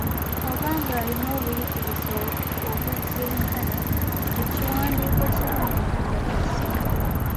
Oba ng'alina obuyigirize obugyenkana, ekiwandiiko kya Muwada bwe kisoma.